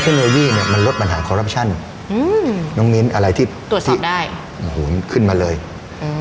อืมน้องมีอะไรที่ตรวจสอบได้อ๋อหูขึ้นมาเลยอืม